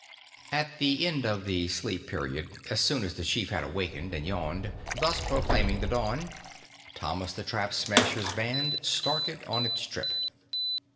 IV At the end of the sleep period, as soon as the chief had awakened and yawned, thus proclaiming the dawn, Thomas the Trap Smasher's band started on its trip.